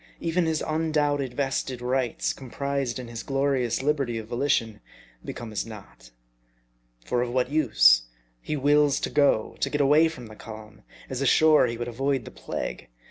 Even his undoubted vested rights, comprised in his glorious liberty of volition, become as naught. For of what use ? He wills to go : to get away from the calm : as ashore he would avoid the plague.